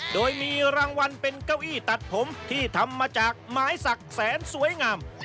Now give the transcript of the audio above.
โดยมีรางวัลเป็นเก้าอี้ตัดผมที่ทำมาจากไม้สักแสนสวยงาม